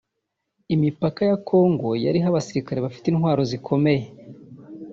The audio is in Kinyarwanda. Imipaka ya Congo yariho abasirikare bafite intwaro zikomeye